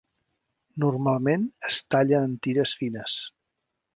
Normalment es talla en tires fines.